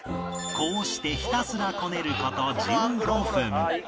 こうしてひたすらこねる事１５分